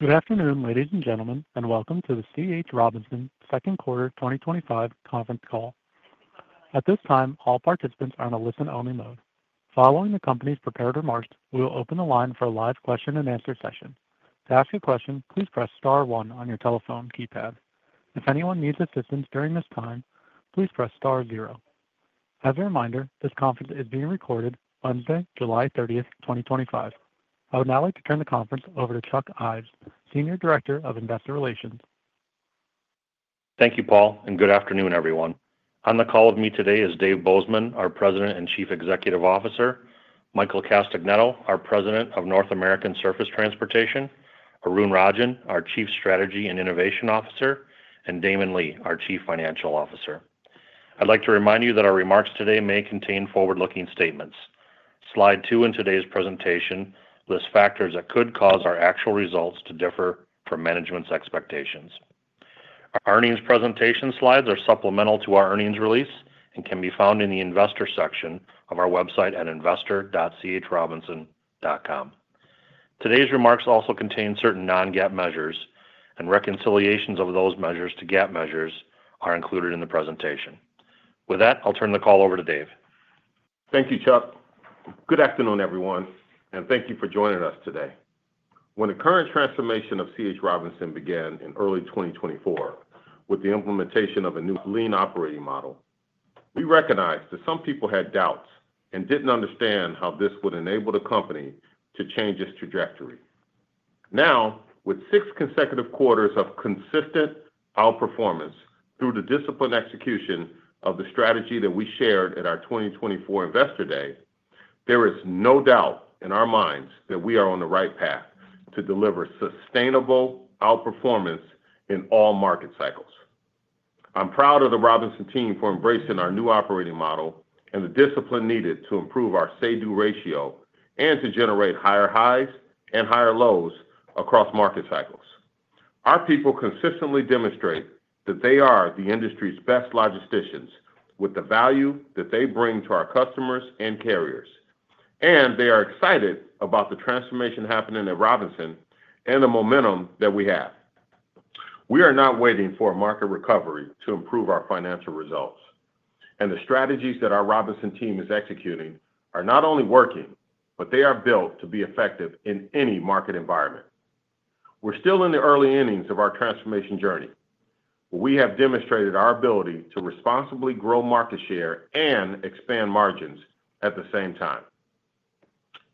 Good afternoon, ladies and gentlemen, and welcome to the C.H. Robinson Worldwide second quarter 2025 conference call. At this time, all participants are in a listen-only mode. Following the company's prepared remarks, we will open the line for a live question-and-answer session. To ask a question, please press star one on your telephone keypad. If anyone needs assistance during this time, please press star zero. As a reminder, this conference is being recorded on Wednesday, July 30, 2025. I would now like to turn the conference over to Chuck Ives, Senior Director of Investor Relations. Thank you, Paul, and good afternoon, everyone. On the call with me today is Dave Bozeman, our President and Chief Executive Officer, Michael Castagnetto, our President of North American Surface Transportation, Arun Rajan, our Chief Strategy and Innovation Officer, and Damon Lee, our Chief Financial Officer. I'd like to remind you that our remarks today may contain forward-looking statements. Slide two in today's presentation lists factors that could cause our actual results to differ from management's expectations. Our earnings presentation slides are supplemental to our earnings release and can be found in the Investor section of our website at investor.ch.robinson.com. Today's remarks also contain certain non-GAAP measures, and reconciliations of those measures to GAAP measures are included in the presentation. With that, I'll turn the call over to Dave. Thank you, Chuck. Good afternoon, everyone, and thank you for joining us today. When the current transformation of C.H. Robinson began in early 2024 with the implementation of a new lean operating model, we recognized that some people had doubts and didn't understand how this would enable the company to change its trajectory. Now, with six consecutive quarters of consistent outperformance through the disciplined execution of the strategy that we shared at our 2024 Investor Day, there is no doubt in our minds that we are on the right path to deliver sustainable outperformance in all market cycles. I'm proud of the Robinson team for embracing our new operating model and the discipline needed to improve our say-do ratio and to generate higher highs and higher lows across market cycles. Our people consistently demonstrate that they are the industry's best logisticians with the value that they bring to our customers and carriers, and they are excited about the transformation happening at Robinson and the momentum that we have. We are not waiting for a market recovery to improve our financial results, and the strategies that our Robinson team is executing are not only working, but they are built to be effective in any market environment. We're still in the early innings of our transformation journey, where we have demonstrated our ability to responsibly grow market share and expand margins at the same time.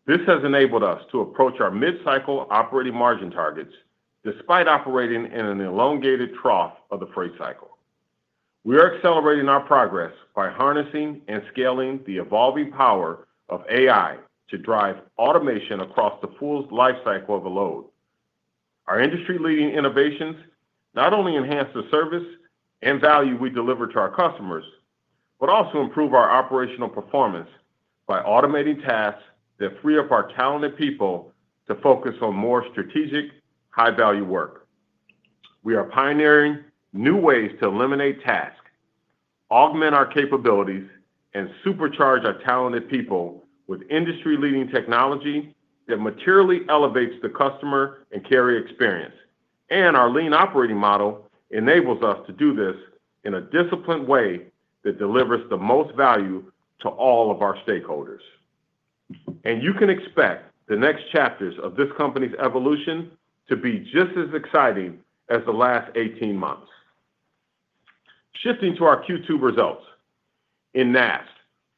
This has enabled us to approach our mid-cycle operating margin targets despite operating in an elongated trough of the freight cycle. We are accelerating our progress by harnessing and scaling the evolving power of AI to drive automation across the full lifecycle of a load. Our industry-leading innovations not only enhance the service and value we deliver to our customers but also improve our operational performance by automating tasks that free up our talented people to focus on more strategic, high-value work. We are pioneering new ways to eliminate tasks, augment our capabilities, and supercharge our talented people with industry-leading technology that materially elevates the customer and carrier experience, and our lean operating model enables us to do this in a disciplined way that delivers the most value to all of our stakeholders. You can expect the next chapters of this company's evolution to be just as exciting as the last 18 months. Shifting to our Q2 results, in NAST,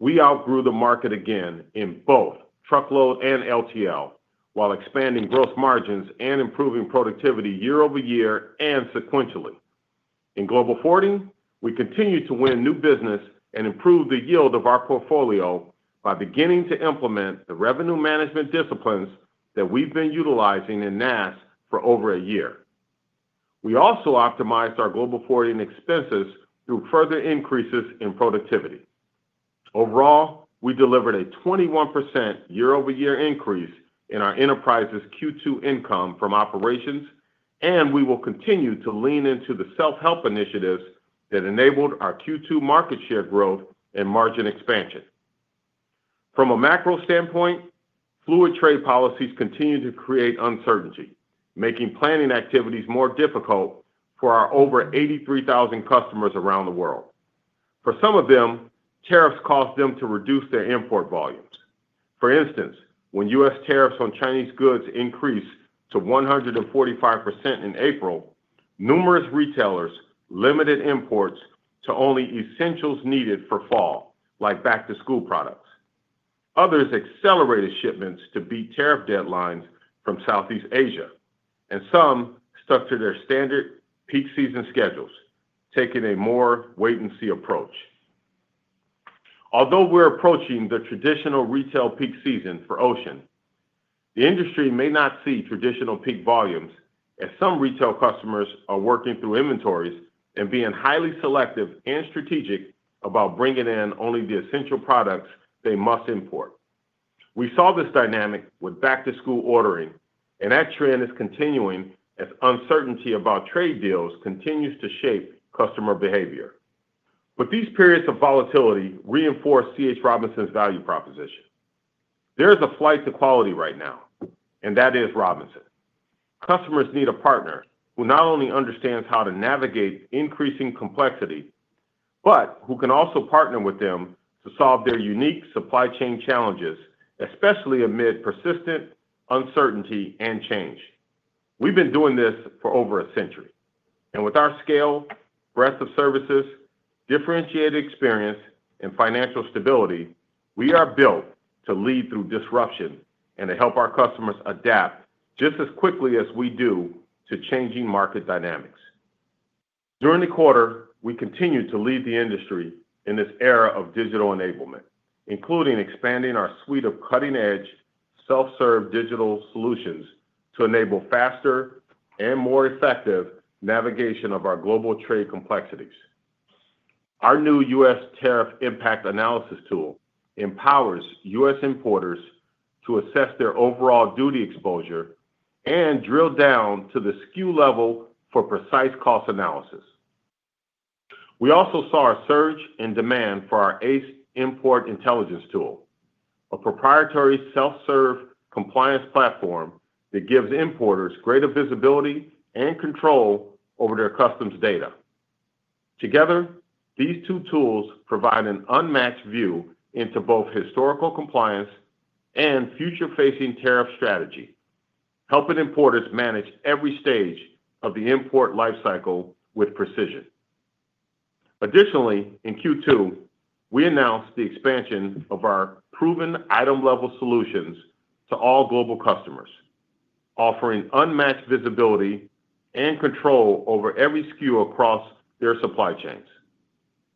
we outgrew the market again in both truckload and less-than-truckload while expanding gross margins and improving productivity year-over-year and sequentially. In global forwarding, we continue to win new business and improve the yield of our portfolio by beginning to implement the revenue management disciplines that we've been utilizing in NAST for over a year. We also optimized our global forwarding expenses through further increases in productivity. Overall, we delivered a 21% year-over-year increase in our enterprise's Q2 income from operations, and we will continue to lean into the self-help initiatives that enabled our Q2 market share growth and margin expansion. From a macro standpoint, fluid trade policies continue to create uncertainty, making planning activities more difficult for our over 83,000 customers around the world. For some of them, tariffs caused them to reduce their import volumes. For instance, when U.S. tariffs on Chinese goods increased to 145% in April, numerous retailers limited imports to only essentials needed for fall, like back-to-school products. Others accelerated shipments to beat tariff deadlines from Southeast Asia, and some stuck to their standard peak season schedules, taking a more wait-and-see approach. Although we're approaching the traditional retail peak season for ocean, the industry may not see traditional peak volumes, as some retail customers are working through inventories and being highly selective and strategic about bringing in only the essential products they must import. We saw this dynamic with back-to-school ordering, and that trend is continuing as uncertainty about trade deals continues to shape customer behavior. These periods of volatility reinforce C.H. Robinson Worldwide's value proposition. There is a flight to quality right now, and that is Robinson. Customers need a partner who not only understands how to navigate increasing complexity but who can also partner with them to solve their unique supply chain challenges, especially amid persistent uncertainty and change. We've been doing this for over a century, and with our scale, breadth of services, differentiated experience, and financial stability, we are built to lead through disruption and to help our customers adapt just as quickly as we do to changing market dynamics. During the quarter, we continue to lead the industry in this era of digital enablement, including expanding our suite of cutting-edge self-serve digital solutions to enable faster and more effective navigation of our global trade complexities. Our new U.S. tariff impact analysis tool empowers U.S. importers to assess their overall duty exposure and drill down to the SKU level for precise cost analysis. We also saw a surge in demand for our ACE Import Intelligence tool, a proprietary self-serve compliance platform that gives importers greater visibility and control over their customs data. Together, these two tools provide an unmatched view into both historical compliance and future-facing tariff strategy, helping importers manage every stage of the import lifecycle with precision. Additionally, in Q2, we announced the expansion of our proven item-level solutions to all global customers, offering unmatched visibility and control over every SKU across their supply chains.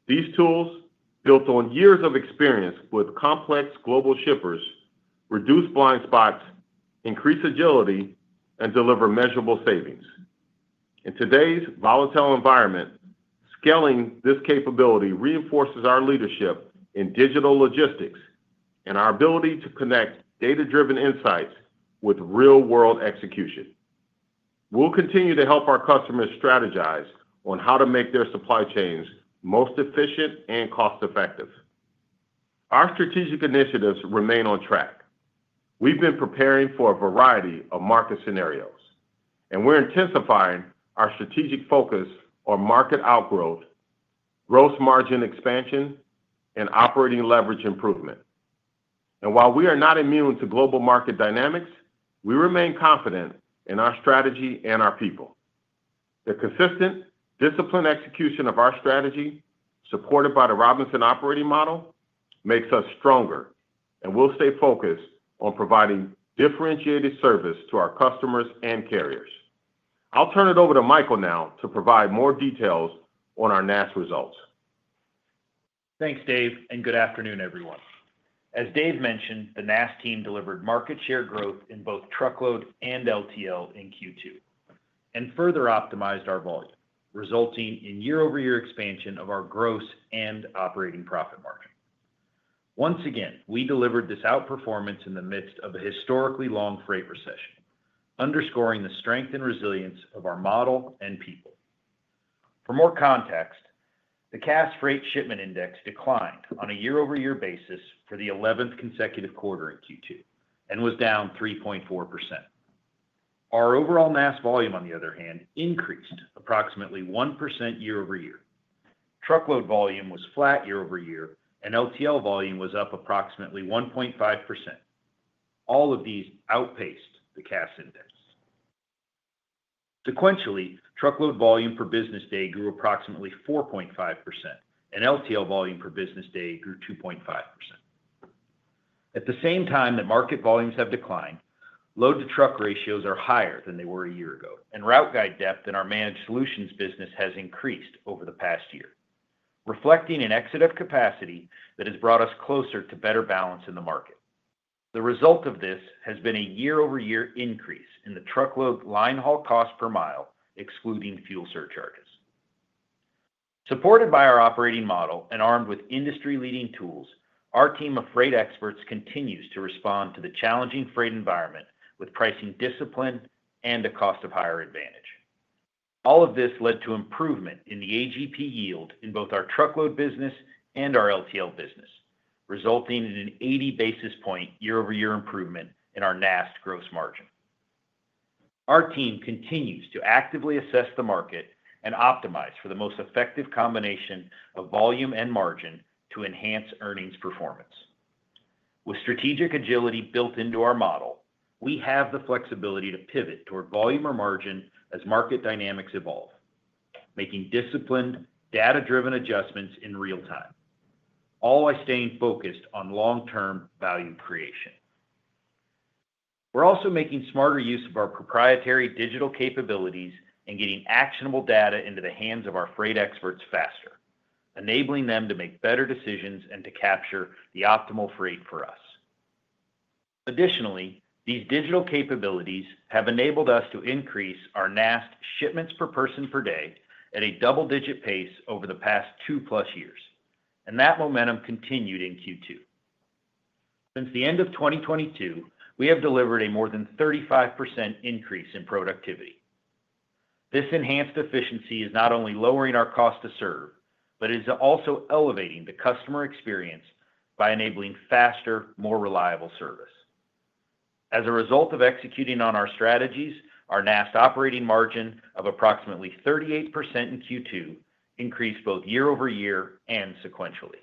These tools, built on years of experience with complex global shippers, reduce blind spots, increase agility, and deliver measurable savings. In today's volatile environment, scaling this capability reinforces our leadership in digital logistics and our ability to connect data-driven insights with real-world execution. We will continue to help our customers strategize on how to make their supply chains most efficient and cost-effective. Our strategic initiatives remain on track. We have been preparing for a variety of market scenarios, and we are intensifying our strategic focus on market outgrowth, gross margin expansion, and operating leverage improvement. While we are not immune to global market dynamics, we remain confident in our strategy and our people. The consistent, disciplined execution of our strategy, supported by the Robinson operating model, makes us stronger, and we will stay focused on providing differentiated service to our customers and carriers. I'll turn it over to Michael now to provide more details on our NAST results. Thanks, Dave, and good afternoon, everyone. As Dave mentioned, the NAST team delivered market share growth in both truckload and less-than-truckload in Q2 and further optimized our volume, resulting in year-over-year expansion of our gross and operating profit margin. Once again, we delivered this outperformance in the midst of a historically long freight recession, underscoring the strength and resilience of our model and people. For more context, the CAS Freight Shipment Index declined on a year-over-year basis for the 11th consecutive quarter in Q2 and was down 3.4%. Our overall NAST volume, on the other hand, increased approximately 1% year-over-year. Truckload volume was flat year-over-year, and less-than-truckload volume was up approximately 1.5%. All of these outpaced the CAS index. Sequentially, truckload volume per business day grew approximately 4.5%, and less-than-truckload volume per business day grew 2.5%. At the same time that market volumes have declined, load-to-truck ratios are higher than they were a year ago, and route guide depth in our managed solutions business has increased over the past year, reflecting an excessive capacity that has brought us closer to better balance in the market. The result of this has been a year-over-year increase in the truckload line haul cost per mile, excluding fuel surcharges. Supported by our operating model and armed with industry-leading tools, our team of freight experts continues to respond to the challenging freight environment with pricing discipline and a cost-of-hire advantage. All of this led to improvement in the adjusted gross profit yield in both our truckload business and our less-than-truckload business, resulting in an 80 basis point year-over-year improvement in our NAST gross margin. Our team continues to actively assess the market and optimize for the most effective combination of volume and margin to enhance earnings performance. With strategic agility built into our model, we have the flexibility to pivot toward volume or margin as market dynamics evolve, making disciplined, data-driven adjustments in real time, all while staying focused on long-term value creation. We're also making smarter use of our proprietary digital capabilities and getting actionable data into the hands of our freight experts faster, enabling them to make better decisions and to capture the optimal freight for us. Additionally, these digital capabilities have enabled us to increase our NAST shipments per person per day at a double-digit pace over the past two-plus years, and that momentum continued in Q2. Since the end of 2022, we have delivered a more than 35% increase in productivity. This enhanced efficiency is not only lowering our cost to serve, but is also elevating the customer experience by enabling faster, more reliable service. As a result of executing on our strategies, our NAST operating margin of approximately 38% in Q2 increased both year-over-year and sequentially.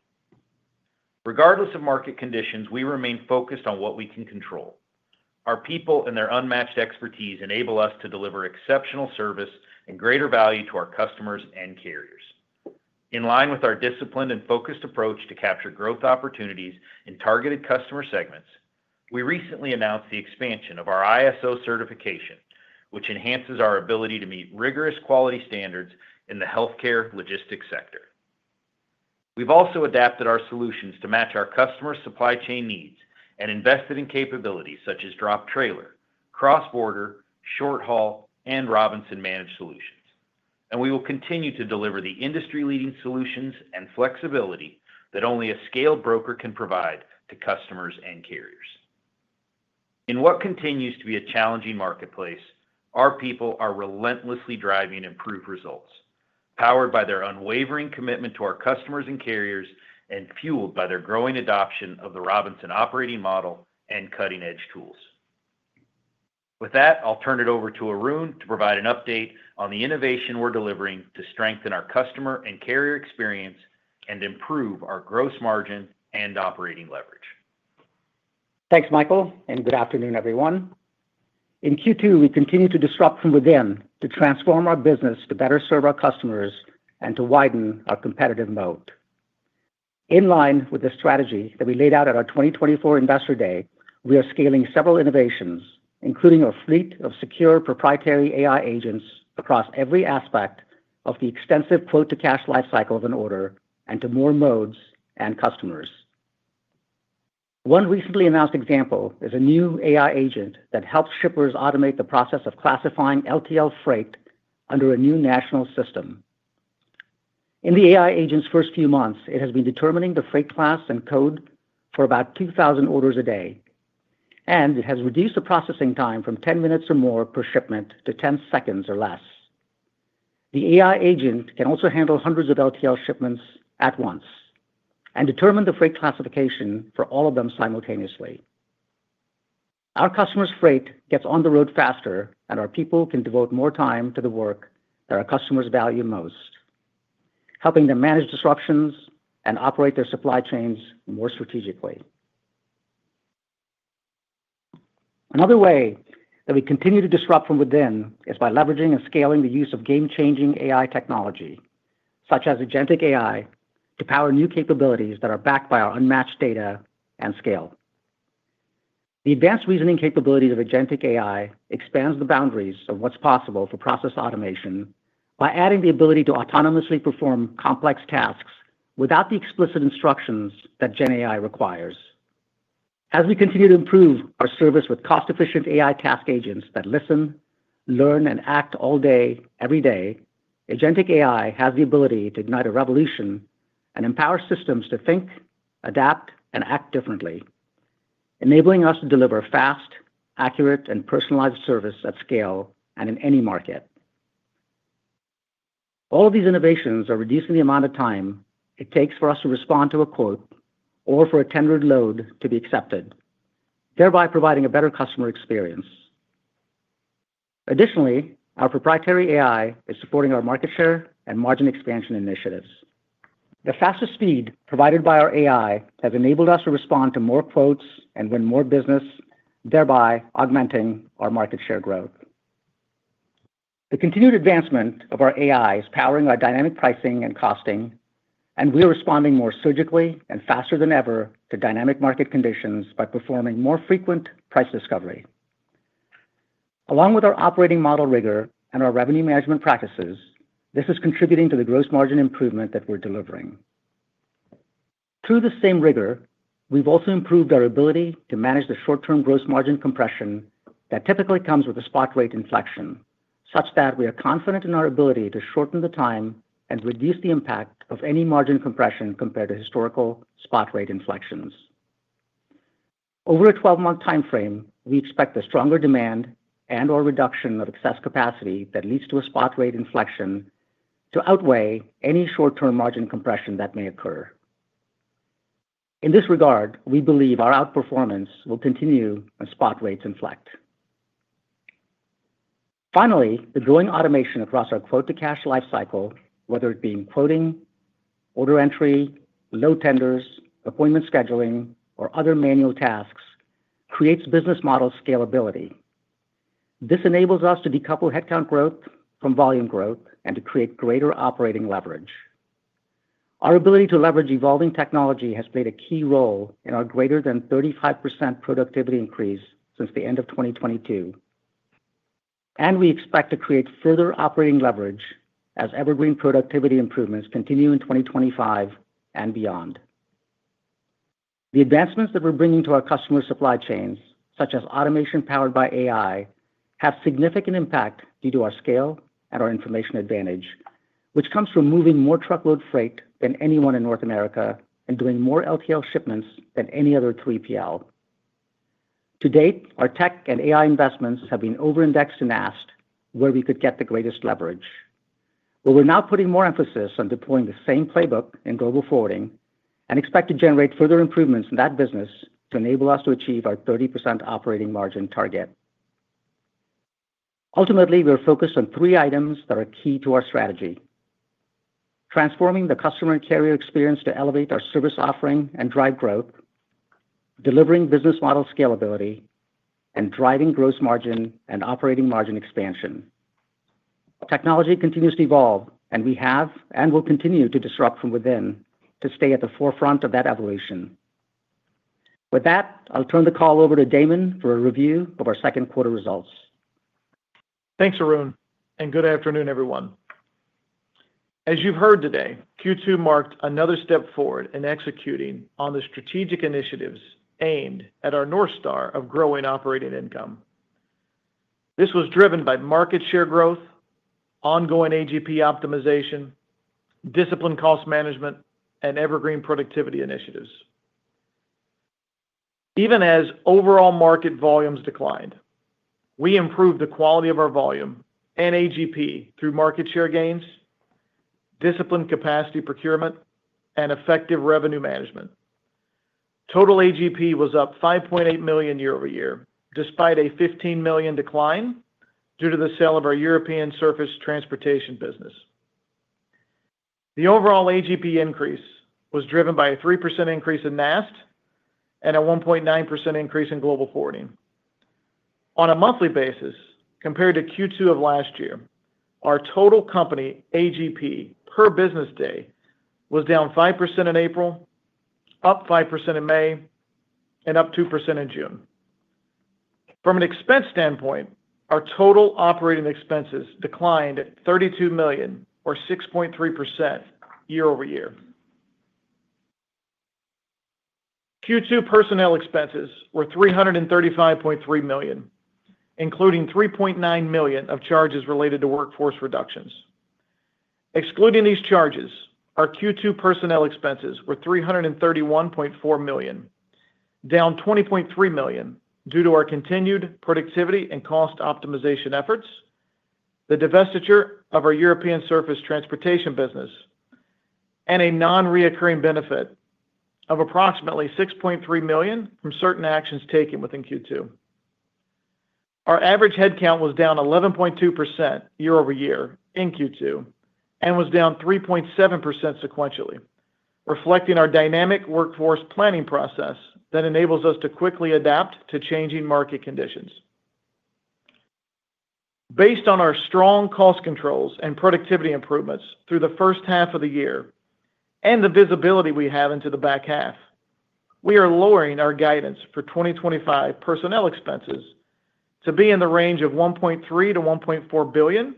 Regardless of market conditions, we remain focused on what we can control. Our people and their unmatched expertise enable us to deliver exceptional service and greater value to our customers and carriers. In line with our disciplined and focused approach to capture growth opportunities in targeted customer segments, we recently announced the expansion of our ISO certification, which enhances our ability to meet rigorous quality standards in the healthcare logistics sector. We've also adapted our solutions to match our customers' supply chain needs and invested in capabilities such as drop trailer, cross-border, short-haul, and Robinson Managed Solutions, and we will continue to deliver the industry-leading solutions and flexibility that only a scaled broker can provide to customers and carriers. In what continues to be a challenging marketplace, our people are relentlessly driving improved results, powered by their unwavering commitment to our customers and carriers and fueled by their growing adoption of the Robinson operating model and cutting-edge tools. With that, I'll turn it over to Arun to provide an update on the innovation we're delivering to strengthen our customer and carrier experience and improve our gross margin and operating leverage. Thanks, Michael, and good afternoon, everyone. In Q2, we continue to disrupt from within to transform our business to better serve our customers and to widen our competitive moat. In line with the strategy that we laid out at our 2024 Investor Day, we are scaling several innovations, including a fleet of secure proprietary AI agents across every aspect of the extensive quote-to-cash lifecycle of an order and to more modes and customers. One recently announced example is a new AI agent that helps shippers automate the process of classifying LTL freight under a new national system. In the AI agent's first few months, it has been determining the freight class and code for about 2,000 orders a day, and it has reduced the processing time from 10 minutes or more per shipment to 10 seconds or less. The AI agent can also handle hundreds of LTL shipments at once and determine the freight classification for all of them simultaneously. Our customers' freight gets on the road faster, and our people can devote more time to the work that our customers value most, helping them manage disruptions and operate their supply chains more strategically. Another way that we continue to disrupt from within is by leveraging and scaling the use of game-changing AI technology, such as Agentic AI, to power new capabilities that are backed by our unmatched data and scale. The advanced reasoning capabilities of Agentic AI expand the boundaries of what's possible for process automation by adding the ability to autonomously perform complex tasks without the explicit instructions that GenAI requires. As we continue to improve our service with cost-efficient AI task agents that listen, learn, and act all day, every day, Agentic AI has the ability to ignite a revolution and empower systems to think, adapt, and act differently, enabling us to deliver fast, accurate, and personalized service at scale and in any market. All of these innovations are reducing the amount of time it takes for us to respond to a quote or for a tendered load to be accepted, thereby providing a better customer experience. Additionally, our proprietary AI is supporting our market share and margin expansion initiatives. The fastest speed provided by our AI has enabled us to respond to more quotes and win more business, thereby augmenting our market share growth. The continued advancement of our AI is powering our dynamic pricing and costing, and we are responding more surgically and faster than ever to dynamic market conditions by performing more frequent price discovery. Along with our operating model rigor and our revenue management practices, this is contributing to the gross margin improvement that we're delivering. Through the same rigor, we've also improved our ability to manage the short-term gross margin compression that typically comes with a spot rate inflection, such that we are confident in our ability to shorten the time and reduce the impact of any margin compression compared to historical spot rate inflections. Over a 12-month timeframe, we expect the stronger demand and/or reduction of excess capacity that leads to a spot rate inflection to outweigh any short-term margin compression that may occur. In this regard, we believe our outperformance will continue when spot rates inflect. Finally, the growing automation across our quote-to-cash lifecycle, whether it be in quoting, order entry, load tenders, appointment scheduling, or other manual tasks, creates business model scalability. This enables us to decouple headcount growth from volume growth and to create greater operating leverage. Our ability to leverage evolving technology has played a key role in our greater than 35% productivity increase since the end of 2022. We expect to create further operating leverage as evergreen productivity improvements continue in 2025 and beyond. The advancements that we're bringing to our customer supply chains, such as automation powered by AI, have significant impact due to our scale and our information advantage, which comes from moving more truckload freight than anyone in North America and doing more less-than-truckload shipments than any other 3PL. To date, our tech and AI investments have been over-indexed to NAST, where we could get the greatest leverage. We're now putting more emphasis on deploying the same playbook in global forwarding and expect to generate further improvements in that business to enable us to achieve our 30% operating margin target. Ultimately, we are focused on three items that are key to our strategy. Transforming the customer and carrier experience to elevate our service offering and drive growth, delivering business model scalability, and driving gross margin and operating margin expansion. Technology continues to evolve, and we have and will continue to disrupt from within to stay at the forefront of that evolution. With that, I'll turn the call over to Damon for a review of our second quarter results. Thanks, Arun, and good afternoon, everyone. As you've heard today, Q2 marked another step forward in executing on the strategic initiatives aimed at our North Star of growing operating income. This was driven by market share growth, ongoing AGP optimization, disciplined cost management, and evergreen productivity initiatives. Even as overall market volumes declined, we improved the quality of our volume and AGP through market share gains, disciplined capacity procurement, and effective revenue management. Total AGP was up $5.8 million year-over-year, despite a $15 million decline due to the sale of our European surface transportation business. The overall AGP increase was driven by a 3% increase in NAST and a 1.9% increase in global forwarding. On a monthly basis, compared to Q2 of last year, our total company AGP per business day was down 5% in April, up 5% in May, and up 2% in June. From an expense standpoint, our total operating expenses declined by $32 million, or 6.3%, year-over-year. Q2 personnel expenses were $335.3 million, including $3.9 million of charges related to workforce reductions. Excluding these charges, our Q2 personnel expenses were $331.4 million, down $20.3 million due to our continued productivity and cost optimization efforts, the divestiture of our European surface transportation business, and a non-recurring benefit of approximately $6.3 million from certain actions taken within Q2. Our average headcount was down 11.2% year-over-year in Q2 and was down 3.7% sequentially, reflecting our dynamic workforce planning process that enables us to quickly adapt to changing market conditions. Based on our strong cost controls and productivity improvements through the first half of the year and the visibility we have into the back half, we are lowering our guidance for 2025 personnel expenses to be in the range of $1.3 to $1.4 billion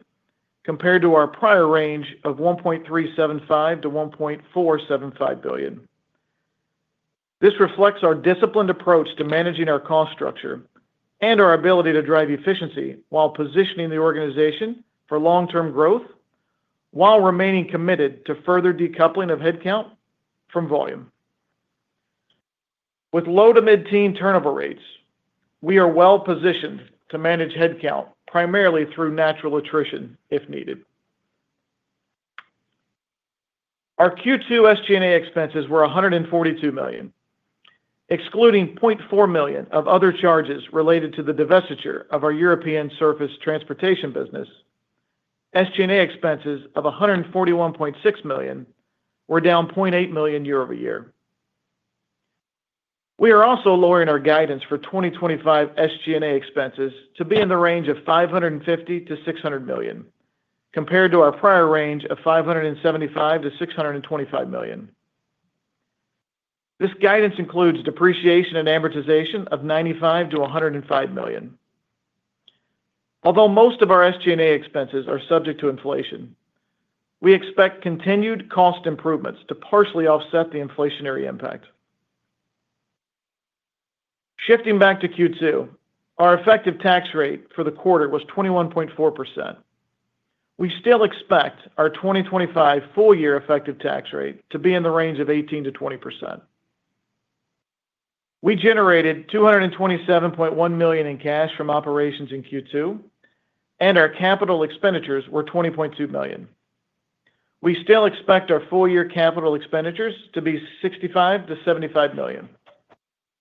compared to our prior range of $1.375 billion-$1.475 billion. This reflects our disciplined approach to managing our cost structure and our ability to drive efficiency while positioning the organization for long-term growth, while remaining committed to further decoupling of headcount from volume. With low to mid-teen turnover rates, we are well-positioned to manage headcount primarily through natural attrition if needed. Our Q2 SG&A expenses were $142 million, excluding $0.4 million of other charges related to the divestiture of our European surface transportation business. SG&A expenses of $141.6 million were down $0.8 million year-over-year. We are also lowering our guidance for 2025 SG&A expenses to be in the range of $550 million-$600 million, compared to our prior range of $575 million-$625 million. This guidance includes depreciation and amortization of $95 million-$105 million. Although most of our SG&A expenses are subject to inflation, we expect continued cost improvements to partially offset the inflationary impact. Shifting back to Q2, our effective tax rate for the quarter was 21.4%. We still expect our 2025 full-year effective tax rate to be in the range of 18%-20%. We generated $227.1 million in cash from operations in Q2, and our capital expenditures were $20.2 million. We still expect our full-year capital expenditures to be $65 million-$75 million.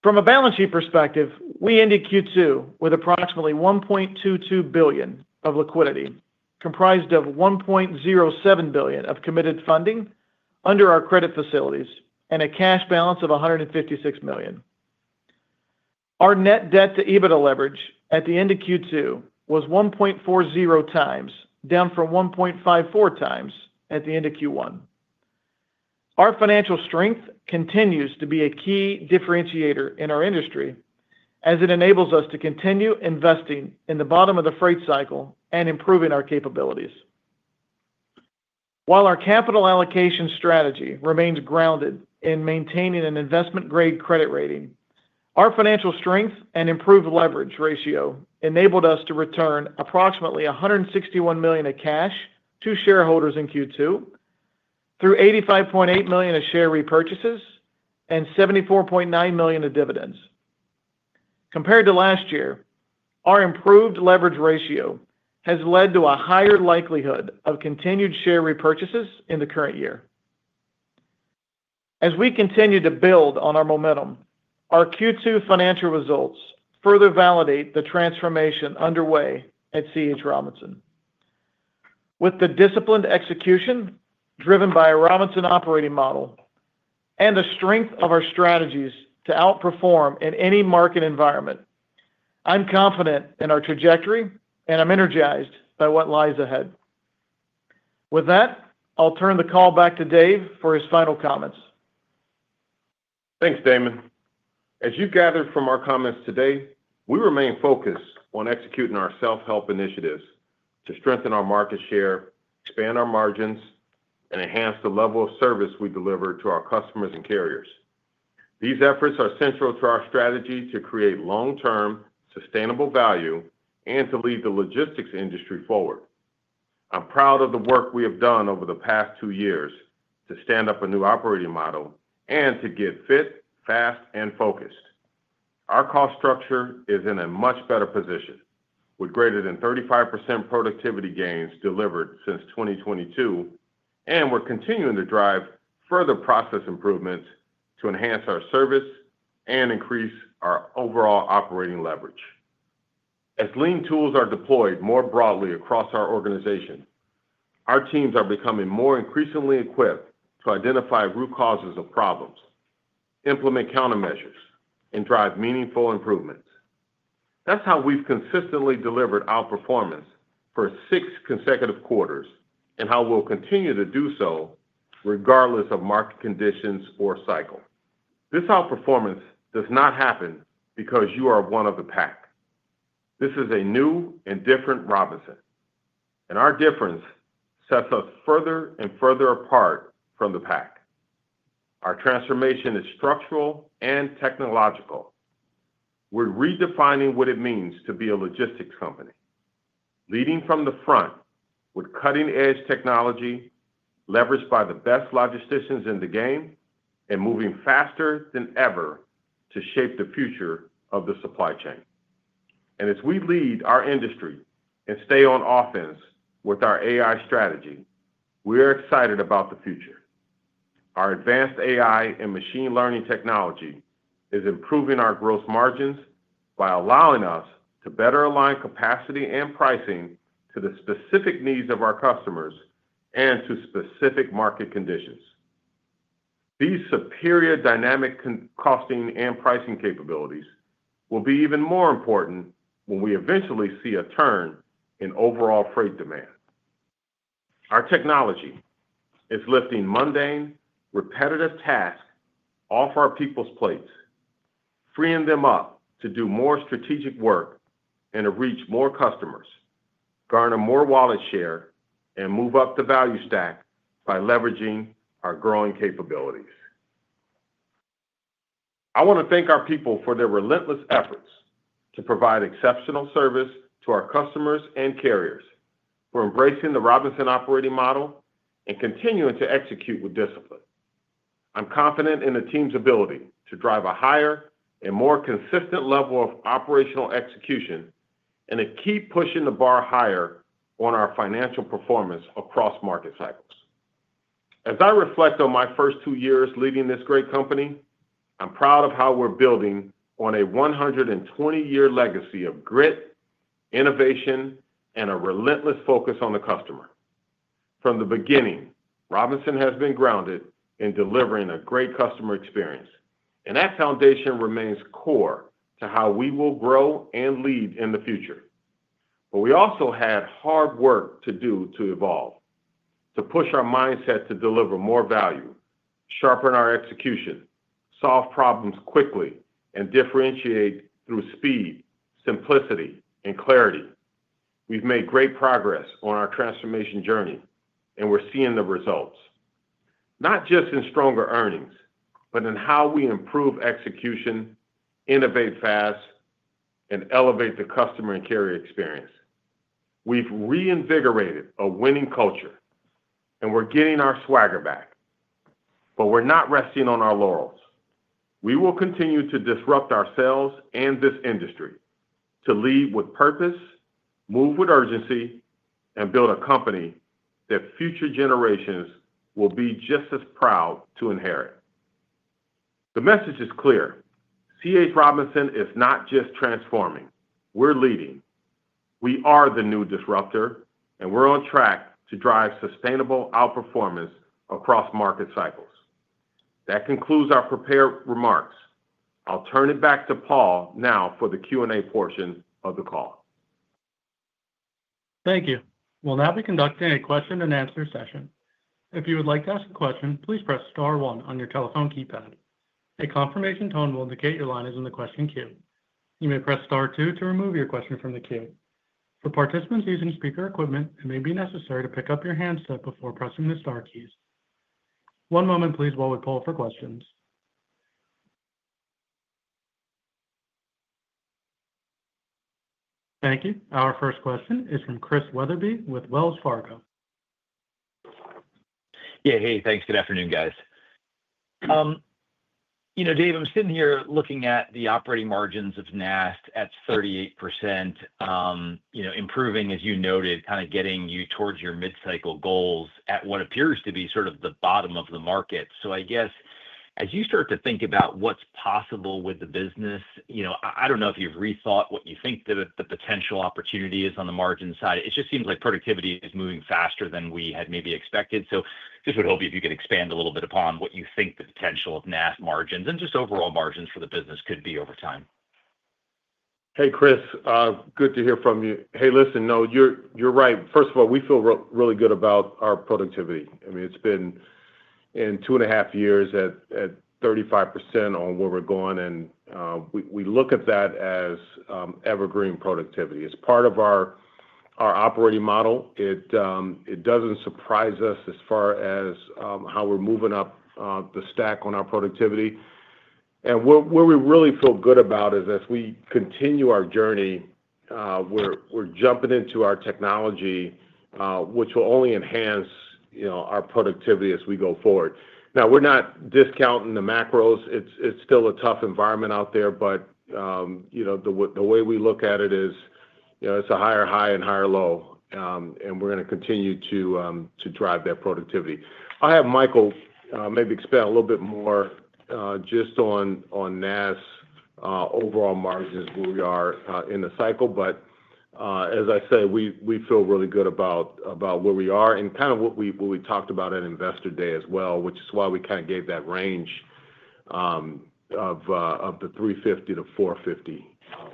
From a balance sheet perspective, we ended Q2 with approximately $1.22 billion of liquidity, comprised of $1.07 billion of committed funding under our credit facilities and a cash balance of $156 million. Our net debt-to-EBITDA leverage at the end of Q2 was 1.40 times, down from 1.54 times at the end of Q1. Our financial strength continues to be a key differentiator in our industry, as it enables us to continue investing in the bottom of the freight cycle and improving our capabilities. While our capital allocation strategy remains grounded in maintaining an investment-grade credit rating, our financial strength and improved leverage ratio enabled us to return approximately $161 million of cash to shareholders in Q2 through $85.8 million of share repurchases and $74.9 million of dividends. Compared to last year, our improved leverage ratio has led to a higher likelihood of continued share repurchases in the current year. As we continue to build on our momentum, our Q2 financial results further validate the transformation underway at C.H. Robinson. With the disciplined execution driven by a Robinson operating model and the strength of our strategies to outperform in any market environment, I'm confident in our trajectory, and I'm energized by what lies ahead. With that, I'll turn the call back to Dave for his final comments. Thanks, Damon. As you've gathered from our comments today, we remain focused on executing our self-help initiatives to strengthen our market share, expand our margins, and enhance the level of service we deliver to our customers and carriers. These efforts are central to our strategy to create long-term sustainable value and to lead the logistics industry forward. I'm proud of the work we have done over the past two years to stand up a new operating model and to get fit, fast, and focused. Our cost structure is in a much better position, with greater than 35% productivity gains delivered since 2022, and we're continuing to drive further process improvements to enhance our service and increase our overall operating leverage. As lean tools are deployed more broadly across our organization, our teams are becoming increasingly equipped to identify root causes of problems, implement countermeasures, and drive meaningful improvements. That's how we've consistently delivered outperformance for six consecutive quarters and how we'll continue to do so regardless of market conditions or cycle. This outperformance does not happen because you are one of the pack. This is a new and different Robinson, and our difference sets us further and further apart from the pack. Our transformation is structural and technological. We're redefining what it means to be a logistics company. Leading from the front with cutting-edge technology, leveraged by the best logisticians in the game, and moving faster than ever to shape the future of the supply chain. As we lead our industry and stay on offense with our AI strategy, we are excited about the future. Our advanced AI and machine learning technology is improving our gross margins by allowing us to better align capacity and pricing to the specific needs of our customers and to specific market conditions. These superior dynamic costing and pricing capabilities will be even more important when we eventually see a turn in overall freight demand. Our technology is lifting mundane, repetitive tasks off our people's plates, freeing them up to do more strategic work and to reach more customers, garner more wallet share, and move up the value stack by leveraging our growing capabilities. I want to thank our people for their relentless efforts to provide exceptional service to our customers and carriers for embracing the Robinson operating model and continuing to execute with discipline. I'm confident in the team's ability to drive a higher and more consistent level of operational execution and to keep pushing the bar higher on our financial performance across market cycles. As I reflect on my first two years leading this great company, I'm proud of how we're building on a 120-year legacy of grit, innovation, and a relentless focus on the customer. From the beginning, Robinson has been grounded in delivering a great customer experience, and that foundation remains core to how we will grow and lead in the future. We also had hard work to do to evolve, to push our mindset to deliver more value, sharpen our execution, solve problems quickly, and differentiate through speed, simplicity, and clarity. We've made great progress on our transformation journey, and we're seeing the results, not just in stronger earnings, but in how we improve execution, innovate fast, and elevate the customer and carrier experience. We've reinvigorated a winning culture, and we're getting our swagger back. We're not resting on our laurels. We will continue to disrupt ourselves and this industry to lead with purpose, move with urgency, and build a company that future generations will be just as proud to inherit. The message is clear. C.H. Robinson is not just transforming. We're leading. We are the new disruptor, and we're on track to drive sustainable outperformance across market cycles. That concludes our prepared remarks. I'll turn it back to Paul now for the Q&A portion of the call. Thank you. We'll now be conducting a question-and-answer session. If you would like to ask a question, please press star one on your telephone keypad. A confirmation tone will indicate your line is in the question queue. You may press star two to remove your question from the queue. For participants using speaker equipment, it may be necessary to pick up your handset before pressing the star keys. One moment, please, while we pull up for questions. Thank you. Our first question is from Chris Wetherbee with Wells Fargo. Yeah, hey, thanks. Good afternoon, guys. Dave, I'm sitting here looking at the operating margins of NAST at 38%. Improving, as you noted, kind of getting you towards your mid-cycle goals at what appears to be sort of the bottom of the market. I guess, as you start to think about what's possible with the business, I don't know if you've rethought what you think the potential opportunity is on the margin side. It just seems like productivity is moving faster than we had maybe expected. I would hope if you could expand a little bit upon what you think the potential of NAST margins and just overall margins for the business could be over time. Hey, Chris, good to hear from you. No, you're right. First of all, we feel really good about our productivity. I mean, it's been in two and a half years at 35% on where we're going, and we look at that as evergreen productivity. It's part of our operating model. It doesn't surprise us as far as how we're moving up the stack on our productivity. Where we really feel good about is as we continue our journey, we're jumping into our technology, which will only enhance our productivity as we go forward. We're not discounting the macros. It's still a tough environment out there, but the way we look at it is it's a higher high and higher low, and we're going to continue to drive that productivity. I'll have Michael maybe expand a little bit more just on NAST's overall margins where we are in the cycle. As I said, we feel really good about where we are and kind of what we talked about at investor day as well, which is why we kind of gave that range of the $350 million-$450 million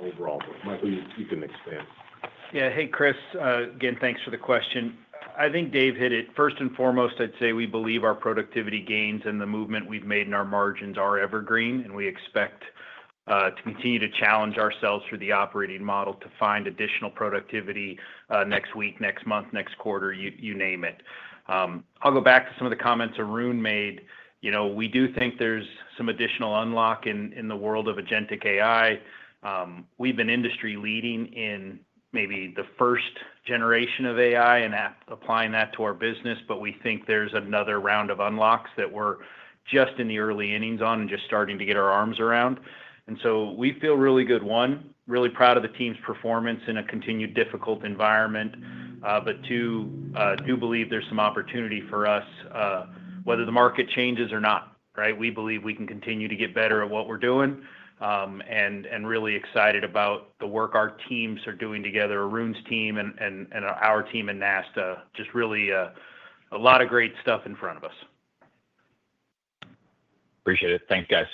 overall. Michael, you can expand. Yeah, hey, Chris, again, thanks for the question. I think Dave hit it. First and foremost, I'd say we believe our productivity gains and the movement we've made in our margins are evergreen, and we expect to continue to challenge ourselves through the operating model to find additional productivity next week, next month, next quarter, you name it. I'll go back to some of the comments Arun made. We do think there's some additional unlock in the world of agentic AI. We've been industry leading in maybe the first generation of AI and applying that to our business, but we think there's another round of unlocks that we're just in the early innings on and just starting to get our arms around. We feel really good. One, really proud of the team's performance in a continued difficult environment. Two, do believe there's some opportunity for us. Whether the market changes or not, right? We believe we can continue to get better at what we're doing. Really excited about the work our teams are doing together, Arun's team and our team in NAST, just really a lot of great stuff in front of us. Appreciate it. Thanks, guys.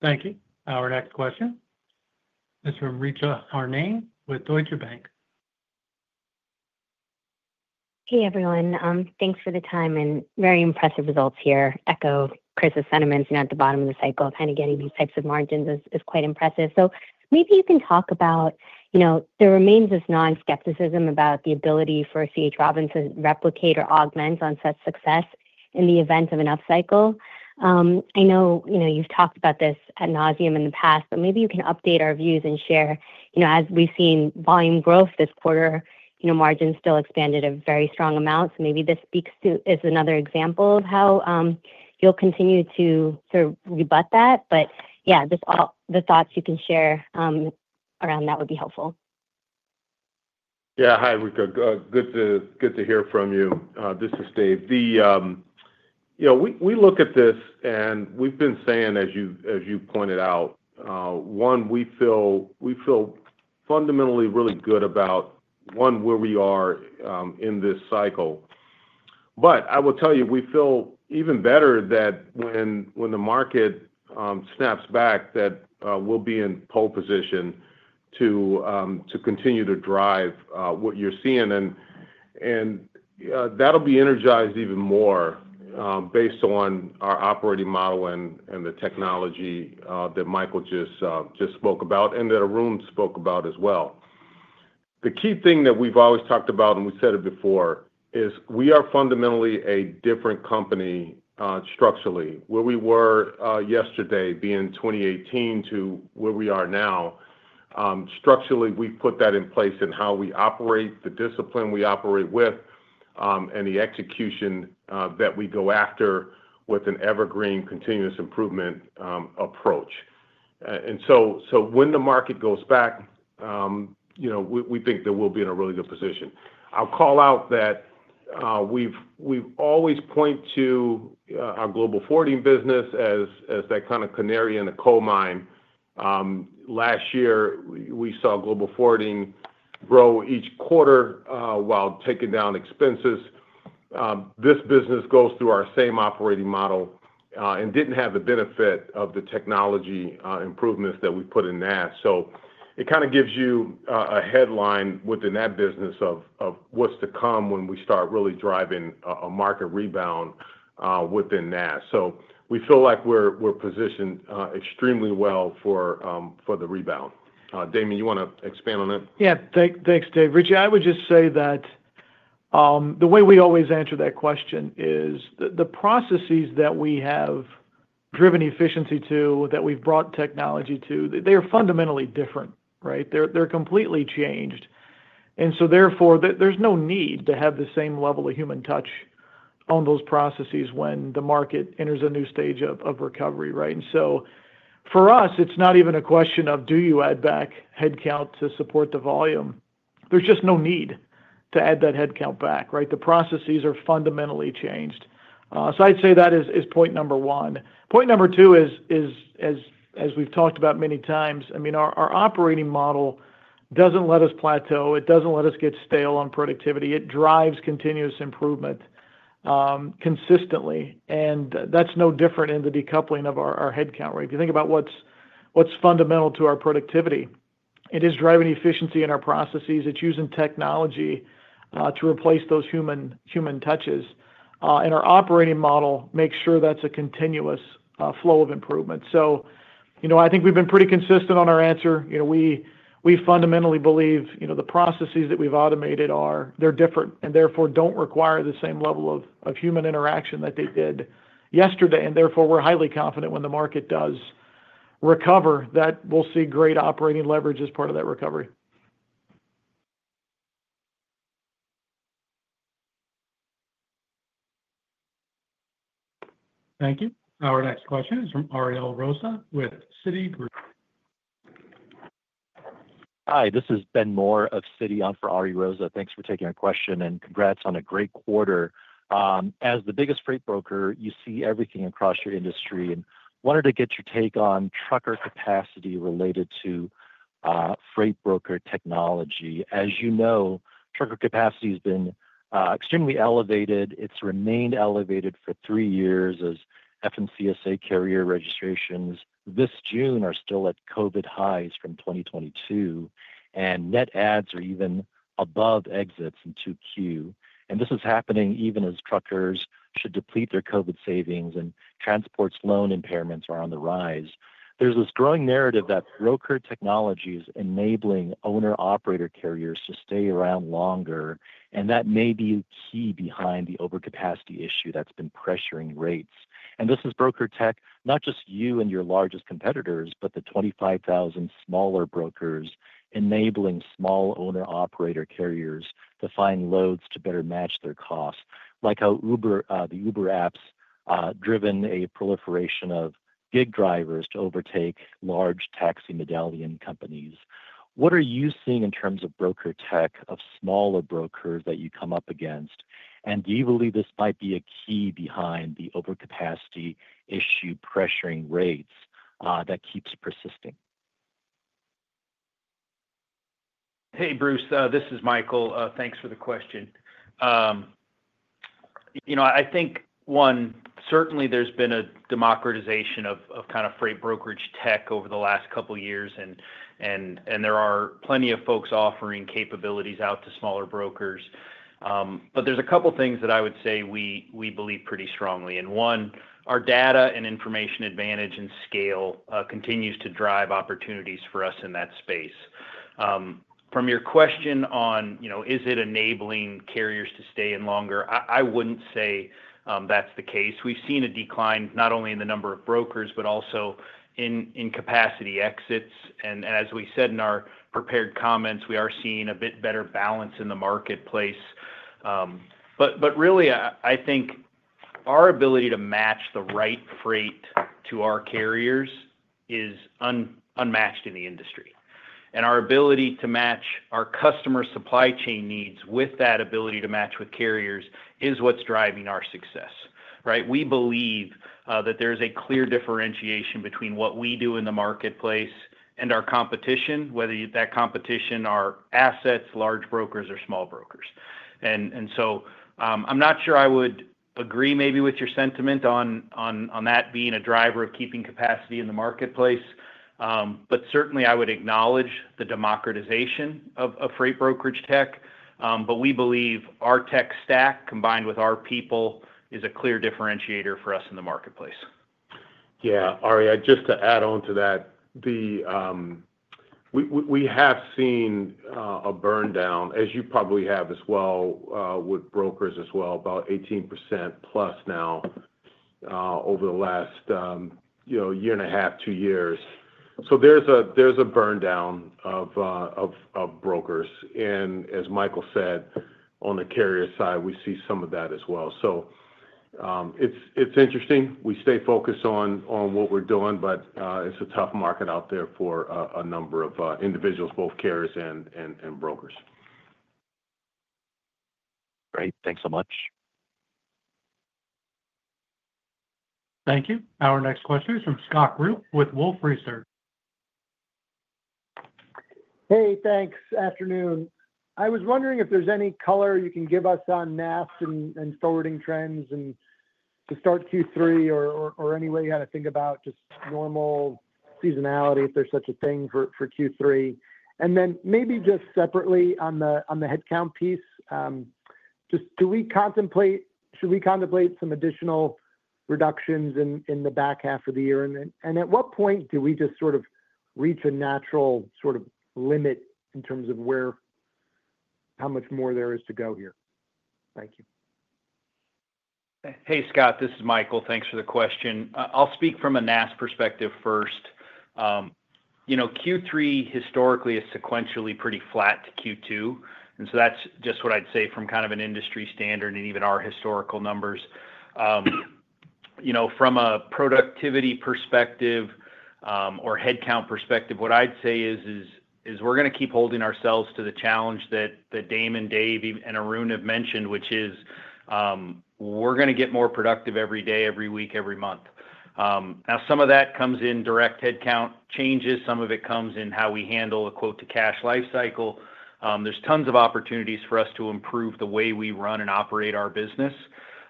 Thank you. Our next question. This is from Richa Harnain with Deutsche Bank. Hey, everyone. Thanks for the time and very impressive results here. Echo Chris's sentiments at the bottom of the cycle, kind of getting these types of margins is quite impressive. Maybe you can talk about the remains of non-skepticism about the ability for C.H. Robinson to replicate or augment on such success in the event of an upcycle. I know you've talked about this ad nauseam in the past, but maybe you can update our views and share. As we've seen volume growth this quarter, margins still expanded a very strong amount. Maybe this is another example of how you'll continue to sort of rebut that. The thoughts you can share around that would be helpful. Yeah, hi, Richa. Good to hear from you. This is Dave. We look at this, and we've been saying, as you pointed out. One, we feel fundamentally really good about where we are in this cycle. I will tell you, we feel even better that when the market snaps back, we'll be in pole position to continue to drive what you're seeing. That'll be energized even more based on our operating model and the technology that Michael just spoke about and that Arun spoke about as well. The key thing that we've always talked about, and we've said it before, is we are fundamentally a different company structurally. Where we were yesterday, being 2018, to where we are now. Structurally, we've put that in place in how we operate, the discipline we operate with, and the execution that we go after with an evergreen continuous improvement approach. When the market goes back, we think that we'll be in a really good position. I'll call out that we've always pointed to our global forwarding business as that kind of canary in a coal mine. Last year, we saw global forwarding grow each quarter while taking down expenses. This business goes through our same operating model and didn't have the benefit of the technology improvements that we put in NAST. It kind of gives you a headline within that business of what's to come when we start really driving a market rebound within NAST. We feel like we're positioned extremely well for the rebound. Damon, you want to expand on that? Yeah, thanks, Dave. Richa, I would just say that the way we always answer that question is the processes that we have driven efficiency to, that we've brought technology to, they are fundamentally different, right? They're completely changed. Therefore, there's no need to have the same level of human touch on those processes when the market enters a new stage of recovery, right? For us, it's not even a question of do you add back headcount to support the volume. There's just no need to add that headcount back, right? The processes are fundamentally changed. I'd say that is point number one. Point number two is, as we've talked about many times, our operating model doesn't let us plateau. It doesn't let us get stale on productivity. It drives continuous improvement consistently. That's no different in the decoupling of our headcount, right? If you think about what's fundamental to our productivity, it is driving efficiency in our processes. It's using technology to replace those human touches. Our operating model makes sure that's a continuous flow of improvement. I think we've been pretty consistent on our answer. We fundamentally believe the processes that we've automated, they're different and therefore don't require the same level of human interaction that they did yesterday. Therefore, we're highly confident when the market does recover that we'll see great operating leverage as part of that recovery. Thank you. Our next question is from Ari Rosa with Citigroup. Hi, this is Ben Mohr of Citi on for Ari Rosa. Thanks for taking our question and congrats on a great quarter. As the biggest freight broker, you see everything across your industry and wanted to get your take on trucker capacity related to freight broker technology. As you know, trucker capacity has been extremely elevated. It's remained elevated for three years as FMCSA carrier registrations this June are still at COVID highs from 2022, and net adds are even above exits into Q. This is happening even as truckers should deplete their COVID savings and transports loan impairments are on the rise. There's this growing narrative that broker technology is enabling owner-operator carriers to stay around longer, and that may be key behind the overcapacity issue that's been pressuring rates. This is broker tech, not just you and your largest competitors, but the 25,000 smaller brokers enabling small owner-operator carriers to find loads to better match their costs, like how the Uber app's driven a proliferation of gig drivers to overtake large taxi medallion companies. What are you seeing in terms of broker tech of smaller brokers that you come up against? Do you believe this might be a key behind the overcapacity issue pressuring rates that keeps persisting? Hey, Bruce, this is Michael. Thanks for the question. I think, one, certainly there's been a democratization of kind of freight brokerage tech over the last couple of years. There are plenty of folks offering capabilities out to smaller brokers. There are a couple of things that I would say we believe pretty strongly. One, our data and information advantage and scale continues to drive opportunities for us in that space. From your question on is it enabling carriers to stay in longer, I wouldn't say that's the case. We've seen a decline not only in the number of brokers, but also in capacity exits. As we said in our prepared comments, we are seeing a bit better balance in the marketplace. Really, I think our ability to match the right freight to our carriers is unmatched in the industry. Our ability to match our customer supply chain needs with that ability to match with carriers is what's driving our success, right? We believe that there is a clear differentiation between what we do in the marketplace and our competition, whether that competition are assets, large brokers, or small brokers. I'm not sure I would agree maybe with your sentiment on that being a driver of keeping capacity in the marketplace. Certainly, I would acknowledge the democratization of freight brokerage tech. We believe our tech stack combined with our people is a clear differentiator for us in the marketplace. Yeah, Ari, just to add on to that. We have seen a burndown, as you probably have as well, with brokers as well, about 18%+ now over the last year and a half, two years. There's a burndown of brokers, and as Michael said, on the carrier side, we see some of that as well. It's interesting. We stay focused on what we're doing, but it's a tough market out there for a number of individuals, both carriers and brokers. Great, thanks so much. Thank you. Our next question is from Scott Group with Wolfe Research. Hey, thanks. Afternoon. I was wondering if there's any color you can give us on NAST and forwarding trends to start Q3 or any way you had to think about just normal seasonality, if there's such a thing for Q3. Maybe just separately on the headcount piece, should we contemplate some additional reductions in the back half of the year? At what point do we just sort of reach a natural sort of limit in terms of how much more there is to go here? Thank you. Hey, Scott, this is Michael. Thanks for the question. I'll speak from a NAST perspective first. Q3 historically is sequentially pretty flat to Q2, and that's just what I'd say from kind of an industry standard and even our historical numbers. From a productivity perspective or headcount perspective, what I'd say is we're going to keep holding ourselves to the challenge that Damon, Dave, and Arun have mentioned, which is we're going to get more productive every day, every week, every month. Some of that comes in direct headcount changes. Some of it comes in how we handle a quote-to-cash lifecycle. There are tons of opportunities for us to improve the way we run and operate our business.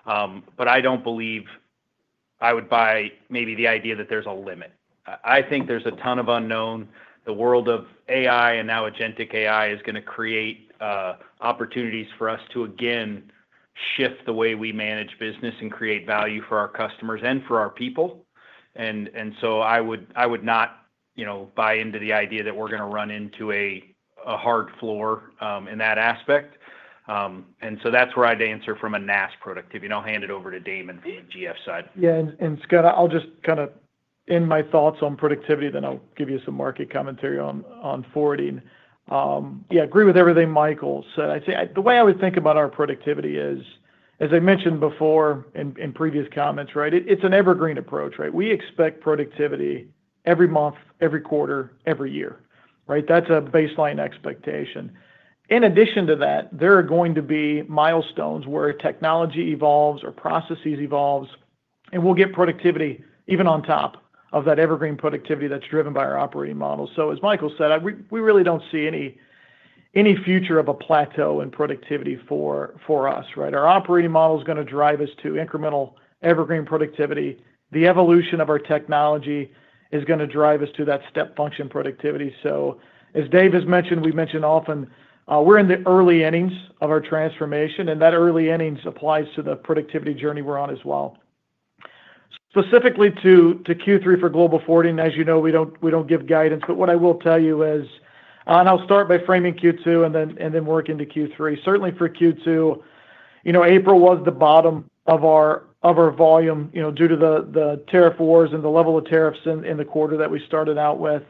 I don't believe I would buy maybe the idea that there's a limit. I think there's a ton of unknown. The world of AI and now agentic AI is going to create opportunities for us to, again, shift the way we manage business and create value for our customers and for our people. I would not buy into the idea that we're going to run into a hard floor in that aspect. That's where I'd answer from a NAST productivity, and I'll hand it over to Damon from the GF side. Yeah. Scott, I'll just kind of end my thoughts on productivity. I'll give you some market commentary on forwarding. Yeah, agree with everything Michael said. I'd say the way I would think about our productivity is, as I mentioned before in previous comments, it's an evergreen approach, right? We expect productivity every month, every quarter, every year. That's a baseline expectation. In addition to that, there are going to be milestones where technology evolves or processes evolve, and we'll get productivity even on top of that evergreen productivity that's driven by our operating model. As Michael said, we really don't see any future of a plateau in productivity for us. Our operating model is going to drive us to incremental evergreen productivity. The evolution of our technology is going to drive us to that step function productivity. As Dave has mentioned, we mention often, we're in the early innings of our transformation, and that early innings applies to the productivity journey we're on as well. Specifically to Q3 for global forwarding, as you know, we don't give guidance. What I will tell you is, and I'll start by framing Q2 and then work into Q3. Certainly for Q2, April was the bottom of our volume due to the tariff wars and the level of tariffs in the quarter that we started out with.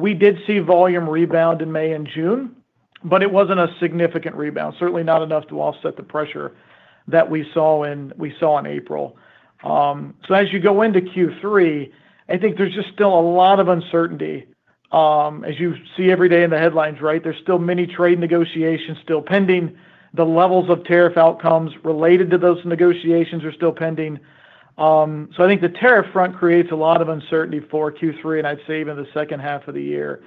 We did see volume rebound in May and June, but it wasn't a significant rebound, certainly not enough to offset the pressure that we saw in April. As you go into Q3, I think there's just still a lot of uncertainty. As you see every day in the headlines, there are still many trade negotiations still pending. The levels of tariff outcomes related to those negotiations are still pending. I think the tariff front creates a lot of uncertainty for Q3, and I'd say even the second half of the year.